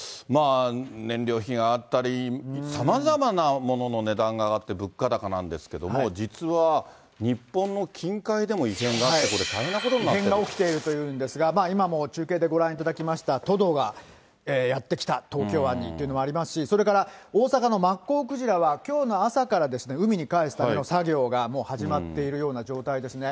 燃料費が上がったり、さまざまなものの値段が上がって物価高なんですけども、実は日本の近海でも異変があって、これ、異変が起きているというんですが、今も中継でご覧いただきました、トドがやって来た、東京湾にというのもありますし、それから大阪のマッコウクジラは、きょうの朝から海に帰すための作業がもう始まっているような状態ですね。